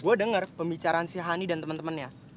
gue denger pembicaraan si hani dan temen temennya